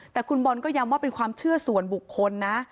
แต่คุณบอลก็ย้ำว่าเป็นความเชื่อส่วนบุคคลนะ